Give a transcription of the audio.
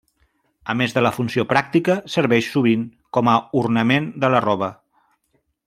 A més de la funció pràctica serveix sovint com a ornament de la roba.